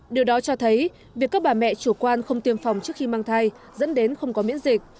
điều đó cho thấy việc các bà mẹ chủ quan không tiêm phòng trước khi mang thai dẫn đến không có miễn dịch